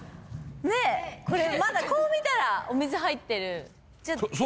これまだこう見たらお水入ってる。